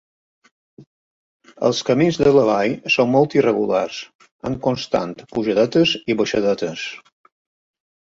Els camins de la vall són molt irregulars, amb constant pujadetes i baixadetes.